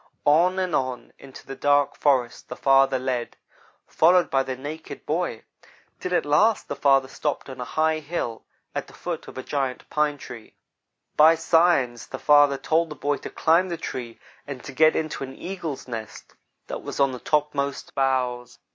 On and on into the dark forest the father led, followed by the naked boy, till at last the father stopped on a high hill, at the foot of a giant pine tree. By signs the father told the boy to climb the tree and to get into an eagle's nest that was on the topmost boughs.